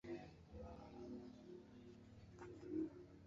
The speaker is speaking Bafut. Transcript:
Kaa à sɨ ɨsaʼà gha bə̂.